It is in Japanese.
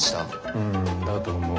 うんだと思う。